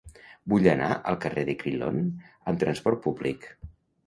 Vull anar al carrer de Crillon amb trasport públic.